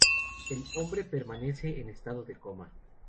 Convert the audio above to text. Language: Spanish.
El hombre permanece en estado de coma.